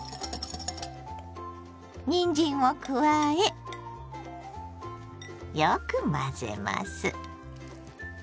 にんじんを加えよく混ぜます。